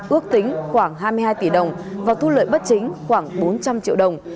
ước tính khoảng hai mươi hai tỷ đồng và thu lợi bất chính khoảng bốn trăm linh triệu đồng